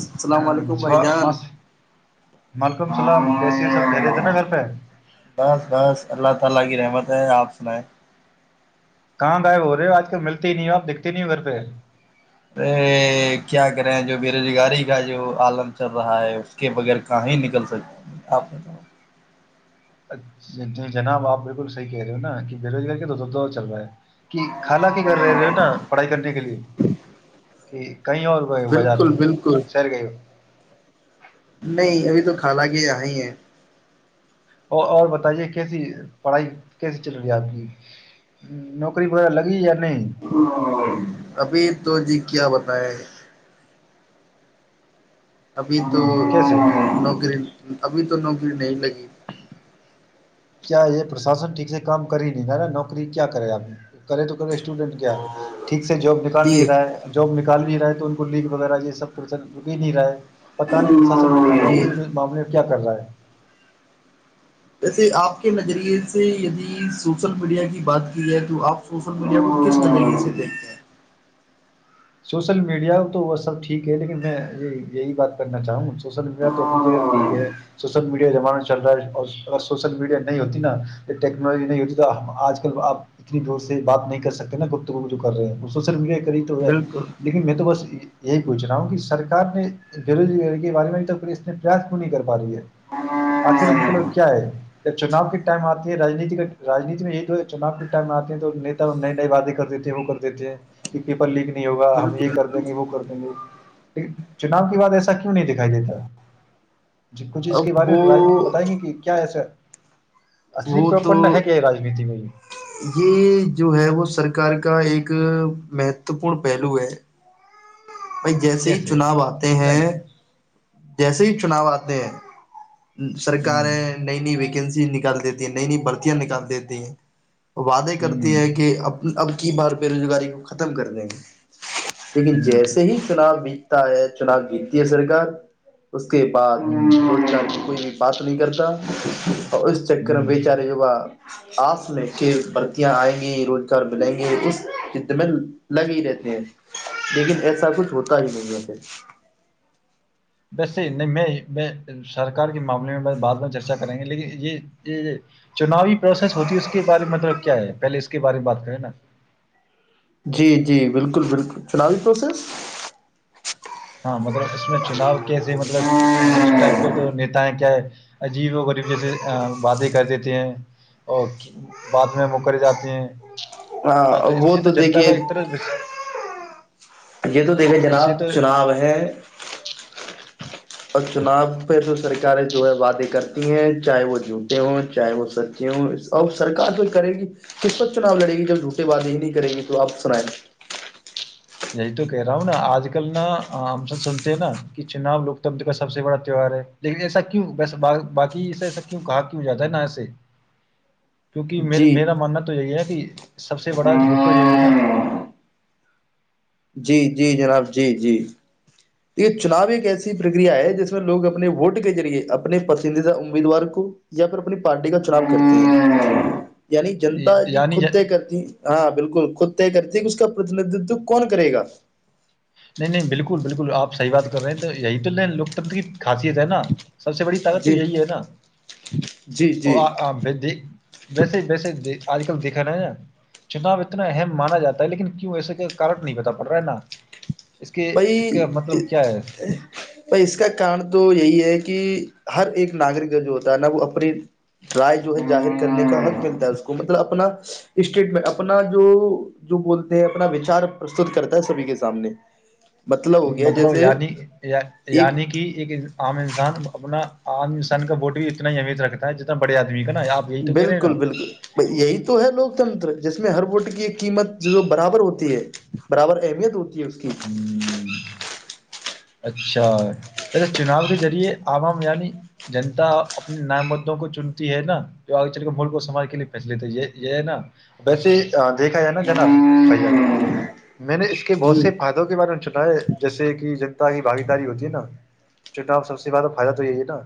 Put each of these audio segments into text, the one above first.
ج السلام علیکم مس بھائی جان وعلیکم السلام کیسی ہے سب خیریت ہے نا گھر پہ بس بس اللہ تعالی کی رحمت ہے آپ اس میں کہاں غائب ہو رہے ہو آج کل ملتی ہی نہیں آپ دیکھتے نہیں ہو گھر پہ ارے کیا کریں جو بےروزگاری کا جو آالم چل رہا ہے اس کے بغیر کہ ہی نکل سکتا ہیں آپ بتاؤ اچ جناب آپ بالکل صح کہہ رہے ہو نا کہ بے روزگاری کا تو د د چل رہا ہے کہ خال کی کر رہے رہے ہو نا پڑھائی کرنے کے لیے کہ کہیں اور کہیں بازار بالکل بالکل سیر گئی ہو نہیں ابھی تو خالہ کے یہاں ہی ہے اور اور بتائیے کیسی پڑھائی کیسی چل رہی ہے آپ کی نوکری وغیرہ لگی یا نہیں ابھی تو جی کیا بتائے ابھی تو ہ کیسے نوکری ابھی تو نوکری نہیں لگی کیا یہ پرشاسن ٹھیک سے کام کری ہی نہیں تھا نا نوکری کیا کرے آپ کرے تو کرے اسٹوڈنٹ کیا ٹھیک سے جاب نکال نہیں جی رہا ہے جاب نکال ڈال بھی رہا تو ان کو لگ وغیرہ یہ سب پر رک نہیں رہا ہے پتانی پرشاسن جی نوکری کے معاملے پر کیا کر رہا ہے ویسے آپ کے نظریے سے یدی سوشل میڈیا کی بات کی جائے تو آپ سوشل میڈیا کو کس طریقے سے دیکھتے ہیں سوشل میڈیا تو وہ سب ٹھیک ہے لیکن میں یہی بات کرنا چاہوں سوشل میڈیا تو اپنی جگہ ٹھیک ہے سوشل میڈیا زمانہ چل رہا ہے اور اگر سوشل میڈیا نہیں ہوتی نا ٹیکنالوجی نہیں ہوتی تو آج کل آپ اتنی زور سے بات نہیں کر سکتے نا خود تو جو کر رہے ہیں اور سوشل میڈیا کرریتر بالکل لیکن میں تو بس یہی پوچھ رہا ہوں کہ سرار نے بےروزگاری کے بارے میں تو پ اس پریاس کیوں نہیں کر پا رہی ہے آخر مطلب کیا ہے ج چناؤ کے ٹائم آتے ہے میں یہ تو چنا کے ٹائم آتے ہیں تو نیتا نئے نئے وعدے کرتے تھے وہ کر دیتے ہیں کہ پیپر لیکنے ہوگا ہم بالکل یہ کر دیں گے وہ کرتے ل چناؤ کے بع ایسا کیوں نہیں دکھائی دیتا ج کچھ اس کے اب بارے وہ میں بتائیں گے کہ کیا ایسا اصلی وہ تو پرپنڈ ہے کیا یہ رجنیتی میں یہ یہ جو ہے وہ سرکار کا ایک مہتوپورن پہلو ہے بھائی جیسے ہی کیسے چناؤ آتے سمجھائیں ہیں گے جیسے ہی چناؤ آتے ہیں ہ سرکیں نئی نئی ویکنسیز نکال دیتی ہیں نئی نئی برتیاں نکال دیتی ہیں وعدے کرتی ہیں کہ ہ اب کی بار بے روزگاری کو ختم کر دیں گے لیکن جیسے ہی چناب بھی ہے چناؤ جیتتی ہے سرکار اس کے بعد ہ کوئی بھی بات نہیں کرتا تا اور اس چکر ہ میں بی ہ چار یوا آس میں کے بھرتیاں آئیں گی روزگار ملیں گے اس د میں لگے ہی رہتے ہیں لیکن ایسا کچھ ہوتا ہی نہیں ہے پھر ویسے نہیں میں میں سرکار کے معاملے میں بعد میں چرچا کریں گے لیکن یہ یہ چناوی پروسیس ہوتی ہے اس کے بارے میں مطلب کیا ہے پہلے اس کے بارے میں بات کریں نا جی جی بالکل بالکل چناوی پروسیس ہاں مطلب اس میں چناؤ کیسے ہی مطلب اس ٹائم پہ تو نیتا ہے کیا ہے عجیب اور غریب جیسے وادیں کر دیتے ہیں اور بعد میں مکر جاتے ہیں ہاں اس وہ سے تو جنتا دیکھیے کا ایک طرح بس- یہ تو دیکھے اس جناب سے تو چناؤ ہے اور چناؤ پہ تو سرکاریں جو ہے وعدے کرتی ہیں چاہے وہ جھوٹے ہوں چاہے وہ سچے ہوں اور سرکار جو کرے گی کس وقت چناؤ لڑے گی جب جھوٹے وعدے ہی نہیں کرے گی تو آپ سنیں یہی تو کہہ رہا ہوں نا آج کل نا ہم سب سنتے ہیں نا کہ چناؤ لوکتنتر کا سب سے بڑا تیوار ہے لیکن ایسا کیوں وسا باقی ای ایسا کیوں کہا کیوں جاتا ہے ن ایسے کیونکہ جی م میرا ماننا تو یہی ہے کہ سب سے بڑا جھوٹ تو یہی ہے نا جی جی جناب جی جی یہ چناؤ ایک ایسی پرکریا ہے جس میں لوگ اپنے ووٹ کے ذریعے اپنے پسندیدہ امیدوار کو یا پھر اپنی پارٹی کا چناؤ کرتے ہیں یعنی جنتا جی یعنی خود ج- ت کرتی ہاں بالکل خود کرتی کہ اس کا پرتیندتو کون کرے گا نہیں نہیں بالکل بالکل آپ صحی بات کر رہے ہیں تو یہی تو ل لوکتنر کی خاصیت ہے نا سب سے بڑی طاقت تو جی یہی ہے نا جی جی د ویسے ویسے د آج کل دیکھا رہا نا چناؤ اتنا اہم مانا جا ہے لیکن کیوں ایے کا کٹ نہیں بتا پڑ رہا ہے نا اس کے اس بائی کا مطلب کیا ہے بائی اس کا کارن تو یہی ہے کہ ہر ایک ناگرک کا جو ہوتا ہے نا وہ اپنی رائے جو ہے جظاہر کرنے کا حق ملتا ہے اس کو مطلب اپنا اسٹیٹمنٹ اپنا جو جو بولتے ہیں اپنا وچار پرستت کرتا ہے سبھی کے سامنے ہو گیا مطلب جیسے یعنی ایک یعنی کہ ایک عام انسان اپنا آام انسان کا بورڈ بھی اتنا ایمیت رکھتا ہے جتنا بڑیا آد بالکل بالکل یہی تو ہے لوکتنتر جس میں ہر ووٹ کے یہ قیمت جو برابر ہوتی ہے برابر اہمیت ہوتی اس کی ہوں۔ اچھا ویسے چناؤ کے ذریعے عام آام یعنی جنتا اپنے نام موں کو چنتی ہے نا جو آگے چل کے ملک کو سماج کے لیے پھیس لیتا ہے یہ یہ ہے نا ویسے دیکھا جائے نا جناب بھائی ہوں میں نے اس کے بہت سے فائدوں کے بارے میں چنا ہے جیسے کہ، باگ داری ہوتی نا چناب سب سے زیادہ فائدہ تو یہی ہے نا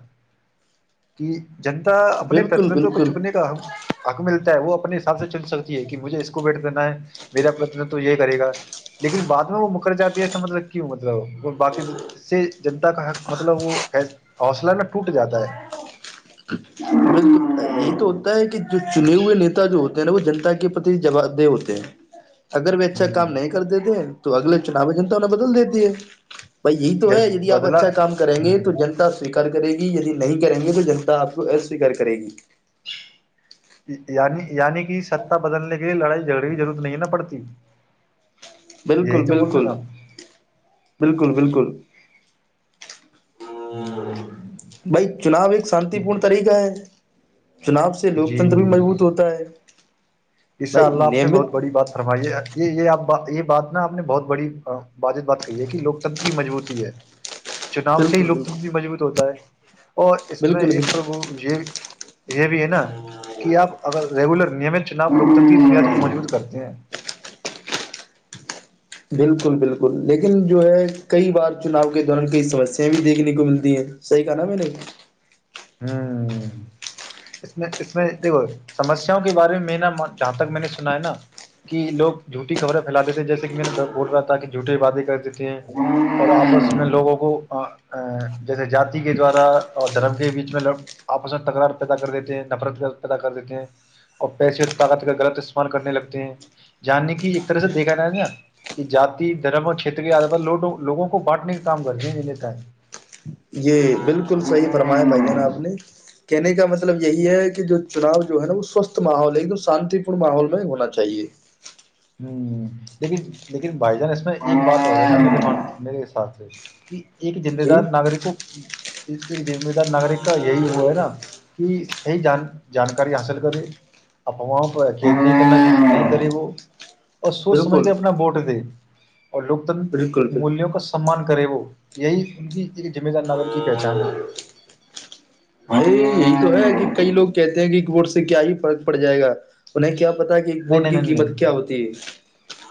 کہ جنتا اپنے بالکل پرتنتو کو بالکل چکنے کا حق ملتا ہے وہ حساب سے چل سکتی ہے کہ مجھے اس کو بیٹ دینا ہے میرا پرن تو یہ کرے گا لیکن بع میں وہ مکر جاتی ہے م کیوں مطلب وہ باقی اس سے جنتا کا حق مطلب وہ حوصلہ میں ٹوٹ جاتا ہے یہ تو ہوتا ہے کہ جو چنے ہوئے نیتا جو نا وہ جنتا کے پرتی جواب دہ ہوتے ہیں اگر وہ اچھا ہ کام نہیں کر دیتے تو اگلے چناو ہے جنتا انیں بدل دیتی ہے بھائی یہی ج تو ہے ی آپ بدلا اچھا کام کریں گے ہوں تو جنتا سیکار کرے گی ی نہیں کریں گے تو جنتا آپ کو ا اسویکار کرے گی یعنی یعنی کہ ستا بدلنے کے لیے لڑائی جگڑی ضرت نہیں ہے نہ پر پچ بالکل بالکل بالکل بالکل ہوں بھائی چناؤ ایک شانتی پورن طریقہ ہے چناب سے لوکتنتر بھی جی مضبوط ہوتا ہے انشاء بھائی اللہ آپ نے بہت بڑی بات فرمائی ہے نیمت یہ یہ آپ یہ بات نا آپ نے بہت بڑی بازت بات کہی ہے کہ لوکتنتر کی مجبوط ہے چناؤ سے ہی بالکل بالکل لوکتنتر بھی مضبوط ہوتا ہے اور اس میں بالکل ایک پربو یہ یہ بھی نا کہ آپ اگر ریگولر نیمت چناؤ لوکتنتری بنیاد کو بالکل مجبوط کرتے ہیں بالکل بالکل لیکن جو ہے کئی بار چناؤ کے دوران کئی سمسیا بھی دیکھنے کو ملتی ہے صحی کہا نا میں نے ہ اس میں اس میں دیکھو سمسیاؤں کے بارے میں میںا جہاں تک میں نے سنا ہے نا کہ لوگ جھوٹی خبریں پھیلا دی تھے جیسے کہ میں نے بول رہا تھا کہ جھوٹے بادے کر دیتے ہیں اور آپس میں لوگوں کو جیسے جی کے دوارا اور دھرم کے بیچ اس میںگ آپس میں تکرار پیدا کر دیتے ہیں نفرت پیدا کر دیتے ہیں اور پیسے طاقت کا غلط استعمال کرنے لگتے ہیں جاننے کی ایک طرح سے دیکھا جائے ہے نا کہ جاتی دھرم اور چھیت کیو لوگوں کو بانٹنے کا کام کرتے ہیںتا یہ بالکل صحیح فرما ہے بھائی جان آپ نے کہنے کا مطلب یہی ہے کہ جو چناؤ جو ہے نا وہ سوستھ ماحول ہے ایک دم شانتی پورن ماحول میں ہونا چاہیے ہ لیکن لیکن بائی جان اس میں ایک بات ہو رہ ہے نا میرے من میرے حساتھ سے کہ ایک جے جی دار ناگرک ہو ذم دار ناگرک کا یہی وہ ہے نا کہ صحیح جان جانکاری حاصل کرے افواہ پ نہیں کرنا نہیں کرے وہ اور سوچ سمجھ کے بالکل اپنا ووٹ دے اور بالکل لوکتنر بالکل ملوں کا سمان کر کرے وہ یہی ان کی ایک ذمہ دار ناگر کی پہچان ہے ا یہی تو ہے کہ کئی لوگ کہتے ہیں کہ ایک ووٹ سے کیا ہی فرق پڑ جائے گا انہیں کیا پتا کہ ایک نہیں ووٹ نہیں کی نہیں نہیں قیمت کیا ہوتی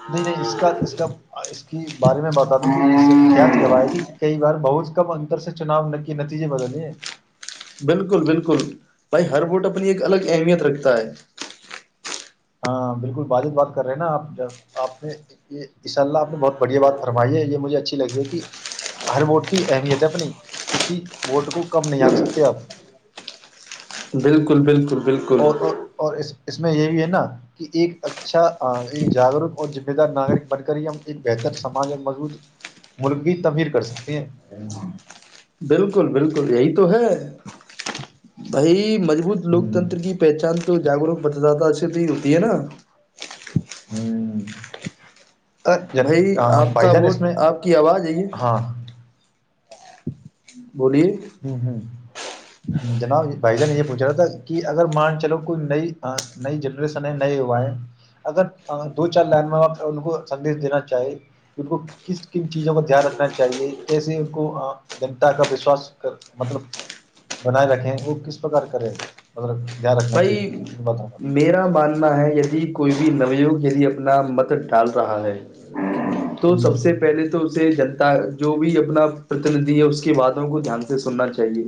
نہیں نہیں اس کا اس کا اس کے بارے میں بتا دوں کہ اس سے اتہاس ہے گواہ کہ کئی بار بہت کے کم انتر سے چناؤ کے نتیجے بدلے بالکل بالکل بھائی ہر ووٹ اپنی ایک الگ اہمیت رکھتا ہے ہاں بالکل بجب بات کر رہے ہیں نا آپ آپ نے انشاء اللہ آپ نے بہت بڑھیا بات فرمائی ہے یہ مجھے اچھی لگی ہے کہ ہر ووٹ کی اہمیت ہے اپنی کسی ووٹ کو کم نہیں آکھ سکتے آپ بالکل بالکل بالکل اور اور اور اس اس میں یہ بھی ہے نا کہ ایک اچھا ایک جاگروک اور ذمے دار ناگرک بن کر ہی ہم ایک بہتر سماج اور مضبوط ملک کی تحیر کر سکتے ہیں بالکل بالکل یہی تو ہے بائی مضبوت لوکتنر کی پہچان تو جاگروک متدادہ سے بھی ہوتی ہے نا ہوں بھائی آپ کا ووٹ آپ کی آواز ہے یہ ہاں ہوں ہوں ہوں ہ جناب بھائی جان یہ پوچھ رہا تھا کہ اگر مان چلو کوئی نئی نئی جنریشن ہے نئے یوا ہیں اگر دو چار لائن میں ان کو سدیش دینا چاہے کہ ان کو کس کن چیزوں کا دھیان رکھنا چاہیے کیسے ان کو جنتا کا وشواس مطلب بنائے رکھے وہ کس پرکار کرے مطلب دھیان رکھنا چاہیے بھائی کن کن باتوں کا میرا ماننا ہے ید کوئی بھی نو وگ یہی اپنا متلد ال رہا ہے تو ہ سب سے پہلے تو اسے جن جو بھی اپنا پرتندھی ہے اس کی باتوں کو دھیان سے سننا چاہیے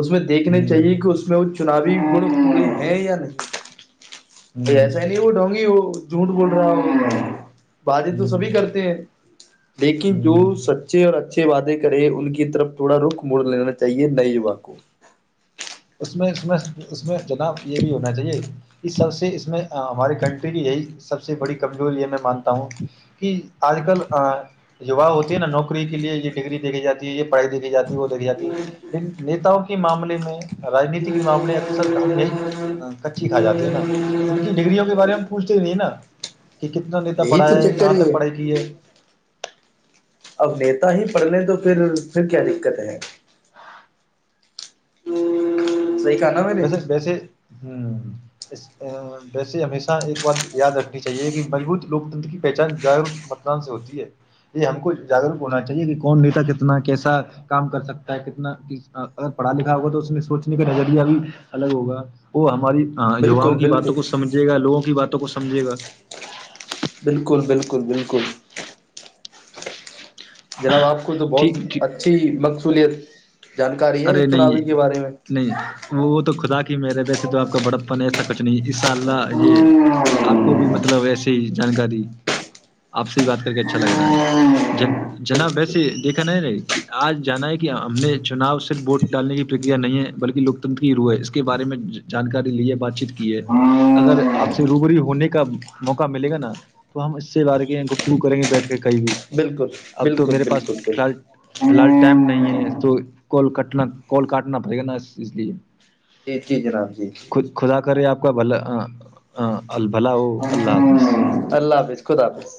اس میں دیکھنے ہ چاہیے کہ اس میں وہ چناوی ب [unintelligible] یہ ل [unintelligible] ایسا ہی نہیں ہ وہ ڈھونگی وہ جھ بول [unintelligible] باتیں تو ہ سبھی کرتے ہیں لیکن جو ہ ہ سچے اور اچھے وعدے کرے ان کی طرف تھوڑا رخ موڑ لینا چاہیے نئے ووا کو اس میں اس میں اس میں [unintelligible] جناب یہ بھی ہونا چاہیے اس سب سے اس میں ہماری کنٹری کی یہی [unintelligible] سب سے بڑی کمزور یہ میں مانتا ہوں کہ آج کل [unintelligible] یہ و ہوتی ہے نا نوکری کے لیے یہ [unintelligible] ڈگری د دی جاتی ہے یہ [unintelligible] پڑھائی دیکھی جاتی ہے وہ دیکھی جاتی ہے لیکن نیتاؤ کے معاملے میں [unintelligible] رانیتی کے معاملے اکثر ہم یہی کچی کھا جاتے ہیں نا ان کی ڈگریوں کے بارے میں ہم پوچھتے نہیں نا [unintelligible] کہ کتنا نیتا یہی تو پڑھایا ہے چکر کہاں ہی تک پڑھائی کی ہے [unintelligible] اب نیتا ہی پڑھ لیں تو پھر پھر کیا دقت ہے [unintelligible] س [unintelligible] ویسے ویسے ہ [unintelligible] ویسے ہمیشہ ایک بات یاد رکھنی چاہیے کہ مجبوط لوکتنت کی پہچان جاگروک متدان سے ہوتی ہے یہ ہم کو جاگروک ہونا چاہیے کہ کون نتا کتنا کیسا کام کر سکتا ہے کتنا اگر پڑھا لکھا ہوگا تو اس سوچنے کا نظریہ بھی [unintelligible] الگ ہوگا وہ ہماری [unintelligible] ہاں یواؤں بالکل کی باتوں بالکل کو سمجھے گا لوگوں کی باتوں کو سمجھے گا [unintelligible] بالکل بالکل بالکل [unintelligible] جناب آپ [unintelligible] بالکل تو بہت ٹھیک ٹھیک اچھی مقصولیت [unintelligible] جانکاری ہے ارے چناوی نہیں کے بارے میں نہیں وہ وہ تو خدا [unintelligible] میرے ویس تو آپ کا بڑپن نہیں سچ [unintelligible] نہیں اسشاء اللہ یہ آپ کو بھی مطلب ایسے ہی [unintelligible] جانکاری آپ سے ہی بات کر کے اچھا لگ رہا ہے جناب ویسے دیکھا نہ ہے ن کہ آج جانا ہے کہ ہم نے چناؤ سے [unintelligible] ووٹ ڈالنے کی پرکیا نہیں ہے بلکہ لوکتن کی رو ہے اس کے بارے میں جانکاری لی ہے بات چیت کی اگر آپ سے روبری ہونے کا موقع ملے گ نا تو ہم اس سےار گتگو کریں گے بیٹھ کر کہئی بھی بالکل اب تو بالکل میرے پاس بالکل فال بال فی الحال ٹائم نہیں ہے تو کاٹنا کال کاٹنا پڑے گا نا اس لیے جی جی جی رام جی بول ہاں ہاں ہ اللہ حافظ خدا حافظ